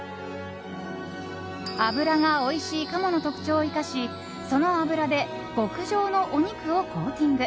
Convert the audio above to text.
脂がおいしい鴨の特徴を生かしその脂で極上のお肉をコーティング。